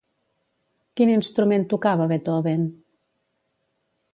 Quin instrument tocava Beethoven?